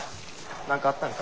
何かあったんか？